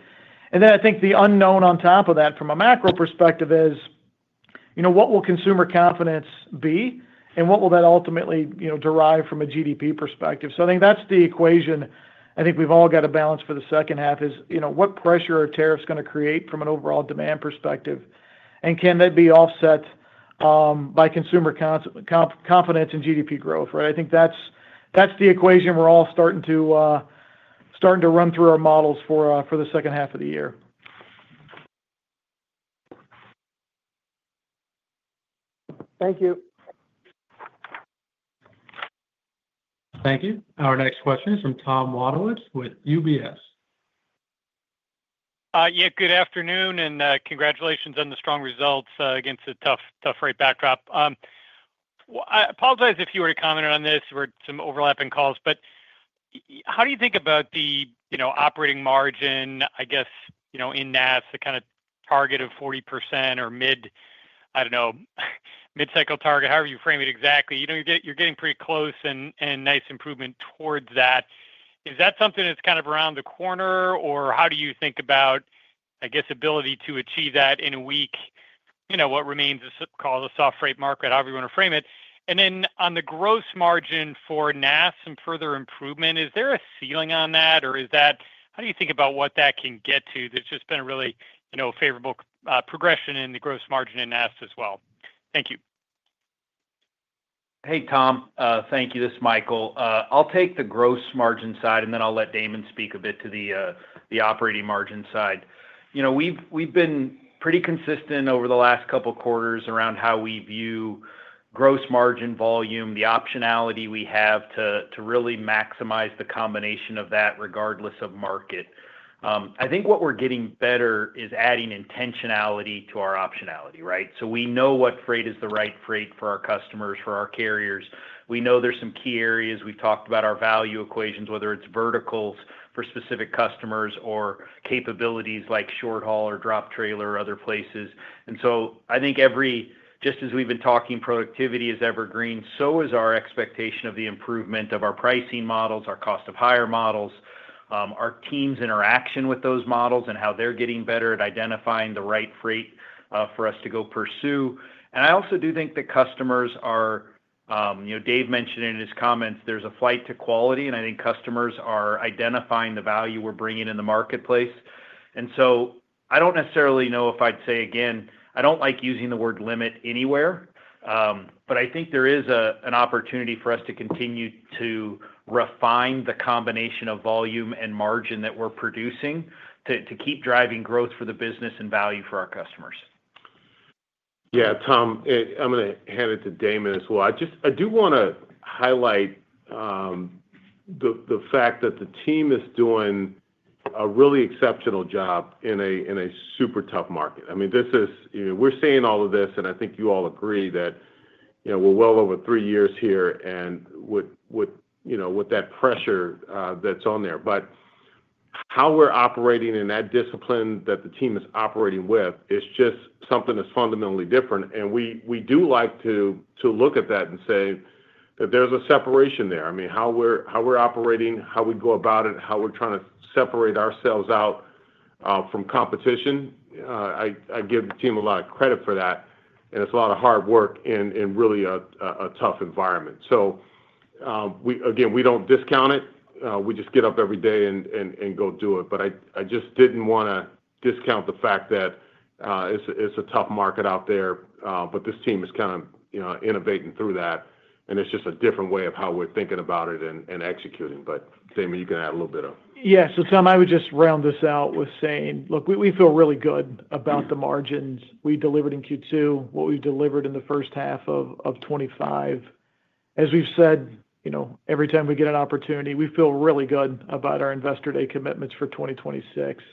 I think the unknown on top of that from a macro perspective is what will consumer confidence be and what will that ultimately derive from a GDP perspective. I think that's the equation. I think we've all got to balance for the second half is what pressure are tariffs going to create from an overall demand perspective, and can that be offset by consumer confidence and GDP growth. I think that's the equation we're all starting to run through our models for the second half of the year. Thank you. Thank you. Our next question is from Tom Wadewitz with UBS. Good afternoon and congratulations on the strong results against the tough rate backdrop. I apologize if you were to comment on this. There were some overlapping calls. How do you think about the operating margin, I guess, in NAST, the kind of target of 40% or mid, I don't know, mid-cycle target, however you frame it exactly? You're getting pretty close and nice improvement towards that. Is that something that's kind of around the corner, or how do you think about, I guess, ability to achieve that in a week, what remains to call the soft rate market, however you want to frame it? On the gross margin for NAST and further improvement, is there a ceiling on that, or how do you think about what that can get to? There's just been a really favorable progression in the gross margin in NAST as well. Thank you. Hey, Tom. Thank you. This is Michael. I'll take the gross margin side, and then I'll let Damon speak a bit to the operating margin side. We've been pretty consistent over the last couple of quarters around how we view gross margin volume, the optionality we have to really maximize the combination of that regardless of market. I think what we're getting better is adding intentionality to our optionality, right? We know what freight is the right freight for our customers, for our carriers. We know there's some key areas. We've talked about our value equations, whether it's verticals for specific customers or capabilities like short haul or drop trailer or other places. I think just as we've been talking, productivity is evergreen, so is our expectation of the improvement of our pricing models, our cost of hire models, our teams' interaction with those models, and how they're getting better at identifying the right freight for us to go pursue. I also do think that customers are. Dave mentioned in his comments, there's a flight to quality, and I think customers are identifying the value we're bringing in the marketplace. I don't necessarily know if I'd say, again, I don't like using the word limit anywhere. I think there is an opportunity for us to continue to refine the combination of volume and margin that we're producing to keep driving growth for the business and value for our customers. Yeah, Tom, I'm going to hand it to Damon as well. I do want to highlight the fact that the team is doing a really exceptional job in a super tough market. I mean, we're seeing all of this, and I think you all agree that we're well over three years here with that pressure that's on there. How we're operating and that discipline that the team is operating with is just something that's fundamentally different. We do like to look at that and say that there's a separation there. I mean, how we're operating, how we go about it, how we're trying to separate ourselves out from competition. I give the team a lot of credit for that, and it's a lot of hard work in really a tough environment. Again, we don't discount it. We just get up every day and go do it. I just didn't want to discount the fact that it's a tough market out there, but this team is kind of innovating through that. It's just a different way of how we're thinking about it and executing. Damon, you can add a little bit of. Yeah. Tom, I would just round this out with saying, look, we feel really good about the margins we delivered in Q2, what we've delivered in the first half of 2025. As we've said, every time we get an opportunity, we feel really good about our investor day commitments for 2026.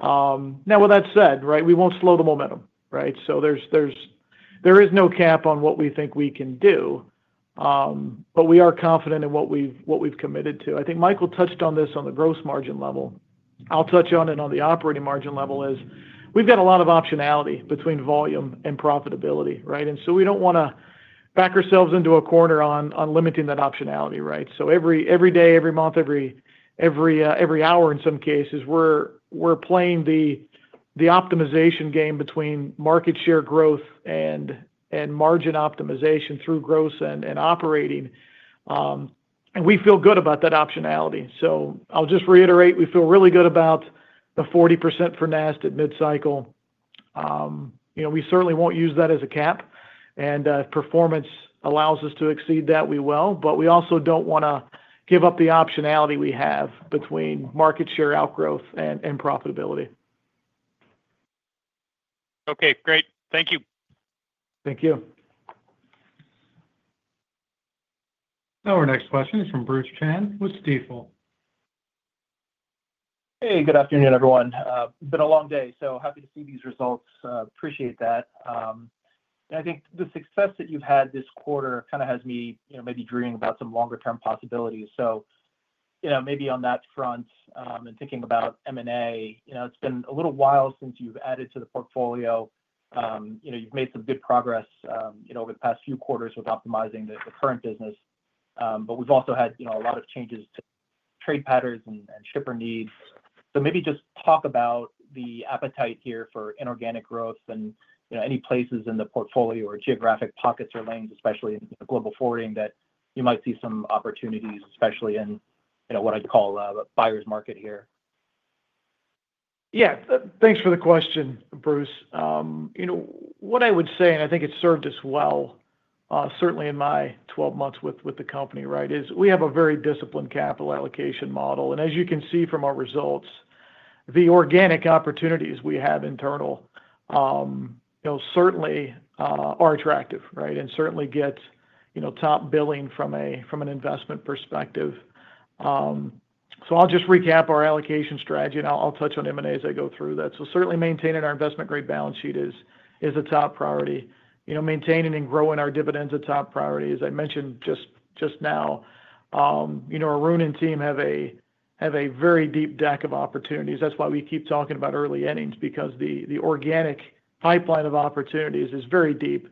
Now, with that said, we won't slow the momentum, right? There is no cap on what we think we can do. We are confident in what we've committed to. I think Michael touched on this on the gross margin level. I'll touch on it on the operating margin level as we've got a lot of optionality between volume and profitability. We don't want to back ourselves into a corner on limiting that optionality. Every day, every month, every hour in some cases, we're playing the optimization game between market share growth and margin optimization through growth and operating. We feel good about that optionality. I'll just reiterate, we feel really good about the 40% for NAST at mid-cycle. We certainly won't use that as a cap. If performance allows us to exceed that, we will. We also don't want to give up the optionality we have between market share outgrowth and profitability. Okay. Great. Thank you. Thank you. Now, our next question is from Bruce Chan with Stifel. Hey, good afternoon, everyone. It's been a long day, so happy to see these results. Appreciate that. I think the success that you've had this quarter kind of has me maybe dreaming about some longer-term possibilities. Maybe on that front and thinking about M&A, it's been a little while since you've added to the portfolio. You've made some good progress over the past few quarters with optimizing the current business. We've also had a lot of changes to trade patterns and shipper needs. Maybe just talk about the appetite here for inorganic growth and any places in the portfolio or geographic pockets or lanes, especially in global forwarding, that you might see some opportunities, especially in what I'd call a buyer's market here. Yeah. Thanks for the question, Bruce. What I would say, and I think it's served us well, certainly in my 12 months with the company, is we have a very disciplined capital allocation model. As you can see from our results, the organic opportunities we have internal certainly are attractive and certainly get top billing from an investment perspective. I'll just recap our allocation strategy, and I'll touch on M&A as I go through that. Certainly maintaining our investment grade balance sheet is a top priority. Maintaining and growing our dividends is a top priority. As I mentioned just now, Arun and team have a very deep deck of opportunities. That's why we keep talking about early innings, because the organic pipeline of opportunities is very deep,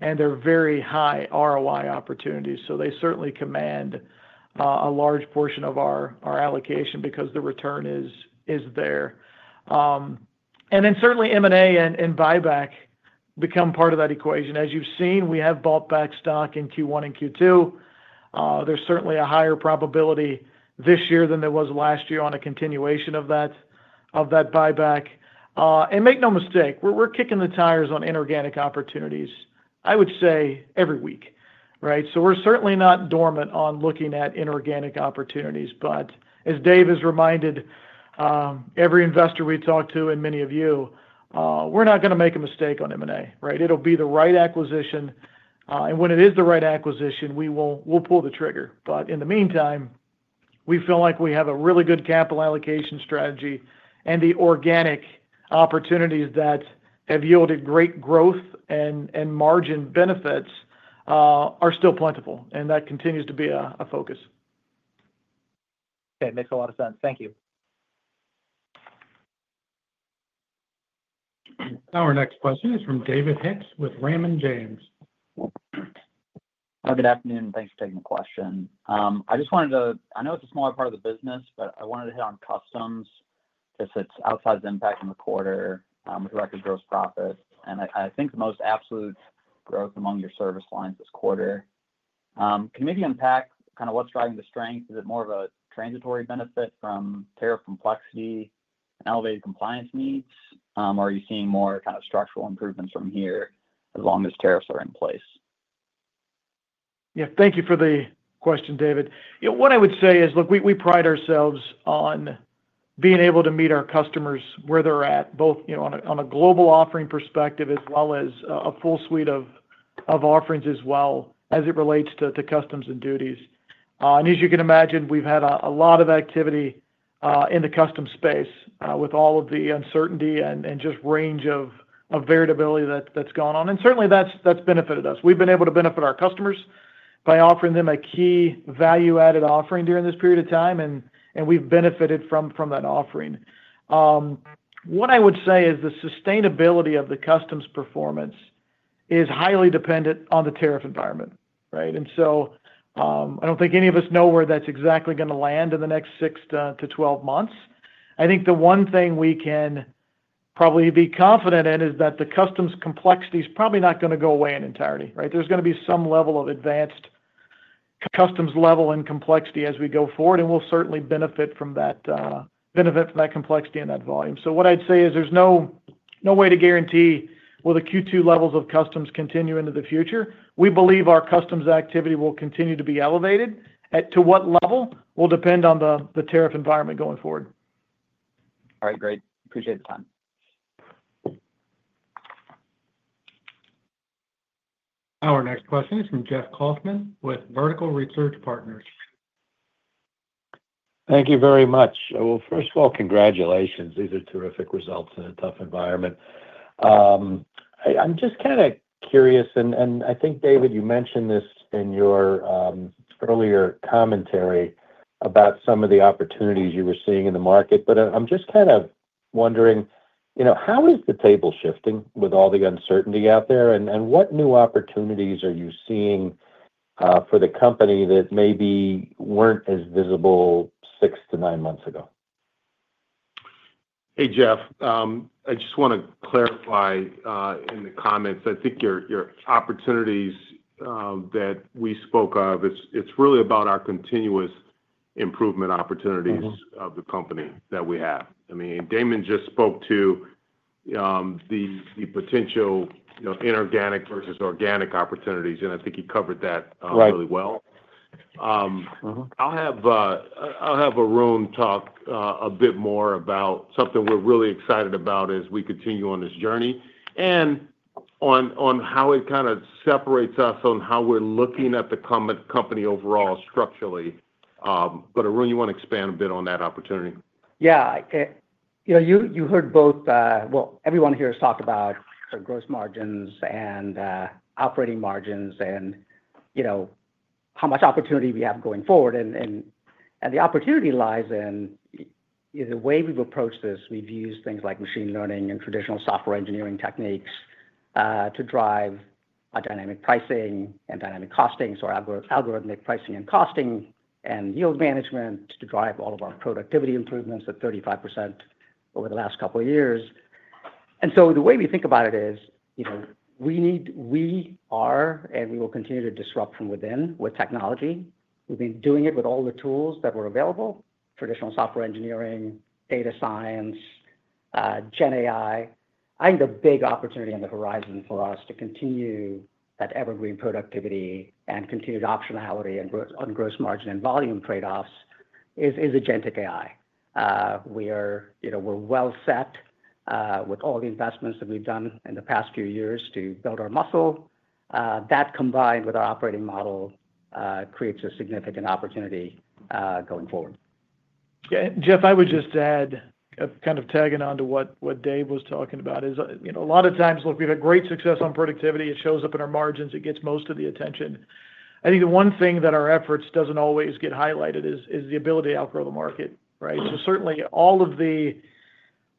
and they're very high ROI opportunities. They certainly command a large portion of our allocation because the return is there. Then M&A and buyback become part of that equation. As you've seen, we have bought back stock in Q1 and Q2. There's certainly a higher probability this year than there was last year on a continuation of that buyback. Make no mistake, we're kicking the tires on inorganic opportunities, I would say, every week. We're certainly not dormant on looking at inorganic opportunities. As Dave has reminded every investor we talk to, and many of you, we're not going to make a mistake on M&A. It'll be the right acquisition, and when it is the right acquisition, we'll pull the trigger. In the meantime, we feel like we have a really good capital allocation strategy, and the organic opportunities that have yielded great growth and margin benefits are still plentiful, and that continues to be a focus. Okay, makes a lot of sense. Thank you. Now, our next question is from David Hicks with Raymond James. Hi, good afternoon. Thanks for taking the question. I just wanted to—I know it's a smaller part of the business, but I wanted to hit on customs because it's outside the impact in the quarter with record gross profit. I think the most absolute growth among your service lines this quarter. Can you maybe unpack kind of what's driving the strength? Is it more of a transitory benefit from tariff complexity and elevated compliance needs, or are you seeing more kind of structural improvements from here as long as tariffs are in place? Thank you for the question, David. What I would say is, look, we pride ourselves on being able to meet our customers where they're at, both on a global offering perspective as well as a full suite of offerings as it relates to customs and duties. As you can imagine, we've had a lot of activity in the customs space with all of the uncertainty and just range of variability that's gone on. Certainly, that's benefited us. We've been able to benefit our customers by offering them a key value-added offering during this period of time, and we've benefited from that offering. What I would say is the sustainability of the customs performance is highly dependent on the tariff environment, right? I don't think any of us know where that's exactly going to land in the next six to 12 months. I think the one thing we can probably be confident in is that the customs complexity is probably not going to go away in entirety, right? There's going to be some level of advanced customs level and complexity as we go forward, and we'll certainly benefit from that complexity and that volume. What I'd say is there's no way to guarantee, will the Q2 levels of customs continue into the future? We believe our customs activity will continue to be elevated. To what level will depend on the tariff environment going forward. All right. Great. Appreciate the time. Our next question is from Jeff Kauffman with Vertical Research Partners. Thank you very much. First of all, congratulations. These are terrific results in a tough environment. I'm just kind of curious, and I think, Dave, you mentioned this in your earlier commentary about some of the opportunities you were seeing in the market. I'm just kind of wondering, how is the table shifting with all the uncertainty out there, and what new opportunities are you seeing for the company that maybe weren't as visible six to nine months ago? Hey, Jeff. I just want to clarify in the comments. I think your opportunities that we spoke of, it's really about our continuous improvement opportunities of the company that we have. I mean, Damon just spoke to the potential inorganic versus organic opportunities, and I think he covered that really well. I'll have Arun talk a bit more about something we're really excited about as we continue on this journey and on how it kind of separates us on how we're looking at the company overall structurally. Arun, you want to expand a bit on that opportunity? You heard both. Everyone here has talked about our gross margins and operating margins and how much opportunity we have going forward. The opportunity lies in the way we've approached this. We've used things like machine learning and traditional software engineering techniques to drive our dynamic pricing and dynamic costing, so algorithmic pricing and costing and yield management to drive all of our productivity improvements at 35% over the last couple of years. The way we think about it is we are, and we will continue to disrupt from within with technology. We've been doing it with all the tools that were available: traditional software engineering, data science, GenAI. I think the big opportunity on the horizon for us to continue that evergreen productivity and continued optionality on gross margin and volume trade-offs is agentic AI. We're well set with all the investments that we've done in the past few years to build our muscle. That combined with our operating model creates a significant opportunity going forward. Yeah. Jeff, I would just add, kind of tagging on to what Dave was talking about, a lot of times, look, we've had great success on productivity. It shows up in our margins. It gets most of the attention. I think the one thing that our efforts don't always get highlighted is the ability to outgrow the market, right?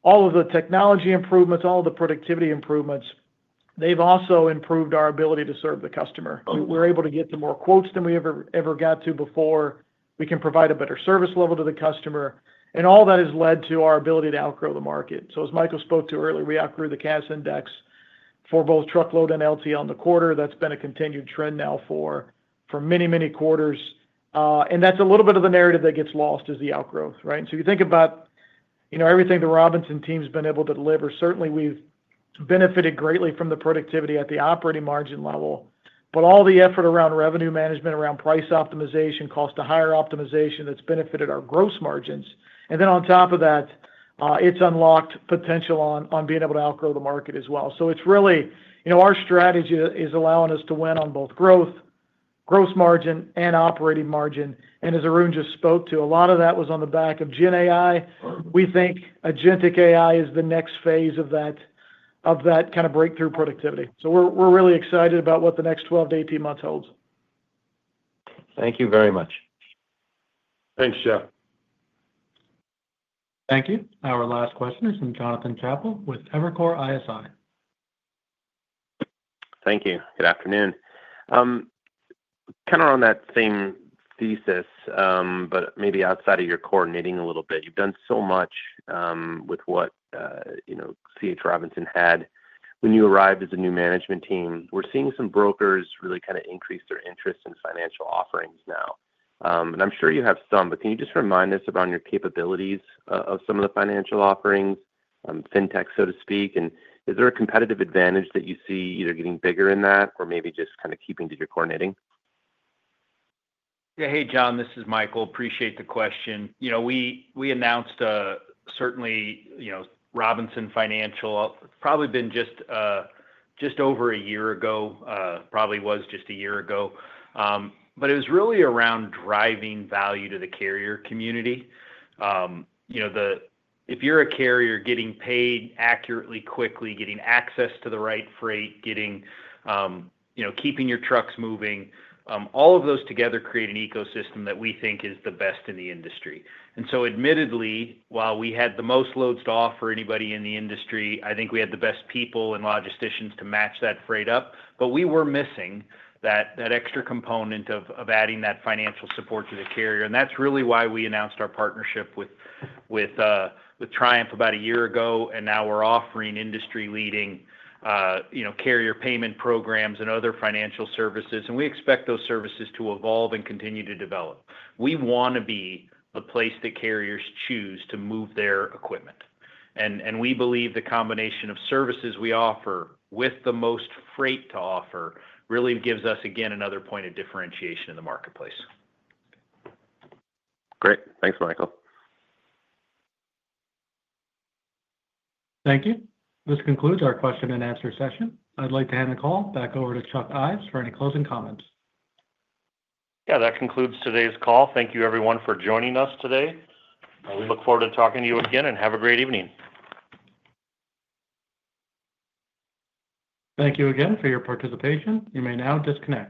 Certainly, all of the technology improvements, all of the productivity improvements, they've also improved our ability to serve the customer. We're able to get to more quotes than we ever got to before. We can provide a better service level to the customer. All that has led to our ability to outgrow the market. As Michael spoke to earlier, we outgrew the Cass index for both truckload and less-than-truckload in the quarter. That's been a continued trend now for many, many quarters. A little bit of the narrative that gets lost is the outgrowth, right? You think about everything the Robinson team has been able to deliver. Certainly, we've benefited greatly from the productivity at the operating margin level. All the effort around revenue management, around price optimization, cost-to-hire optimization, that's benefited our gross margins. On top of that, it's unlocked potential on being able to outgrow the market as well. Our strategy is allowing us to win on both growth, gross margin, and operating margin. As Arun just spoke to, a lot of that was on the back of GenAI. We think agentic AI is the next phase of that kind of breakthrough productivity. We're really excited about what the next 12 months-18 months holds. Thank you very much. Thanks, Jeff. Thank you. Our last question is from Jonathan Chappell with Evercore ISI. Thank you. Good afternoon. Kind of on that same thesis, but maybe outside of your core knitting a little bit. You've done so much with what C.H. Robinson had when you arrived as a new management team. We're seeing some brokers really kind of increase their interest in financial offerings now. I'm sure you have some, but can you just remind us about your capabilities of some of the financial offerings, fintech, so to speak? Is there a competitive advantage that you see either getting bigger in that or maybe just kind of keeping to your core knitting? Yeah. Hey, Jon, this is Michael. Appreciate the question. We announced, certainly, Robinson Financial. It's probably been just over a year ago. Probably was just a year ago. It was really around driving value to the carrier community. If you're a carrier, getting paid accurately, quickly, getting access to the right freight, keeping your trucks moving, all of those together create an ecosystem that we think is the best in the industry. Admittedly, while we had the most loads to offer anybody in the industry, I think we had the best people and logisticians to match that freight up. We were missing that extra component of adding that financial support to the carrier. That's really why we announced our partnership with Triumph about a year ago. Now we're offering industry-leading carrier payment programs and other financial services. We expect those services to evolve and continue to develop. We want to be the place that carriers choose to move their equipment. We believe the combination of services we offer with the most freight to offer really gives us, again, another point of differentiation in the marketplace. Great. Thanks, Michael. Thank you. This concludes our question and answer session. I'd like to hand the call back over to Chuck Ives for any closing comments. That concludes today's call. Thank you, everyone, for joining us today. We look forward to talking to you again, and have a great evening. Thank you again for your participation. You may now disconnect.